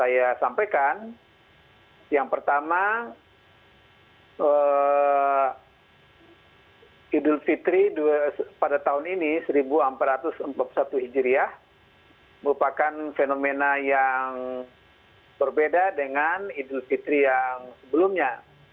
saya sampaikan yang pertama idul fitri pada tahun ini seribu empat ratus empat puluh satu hijriah merupakan fenomena yang berbeda dengan idul fitri yang sebelumnya